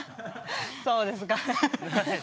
そうですかね。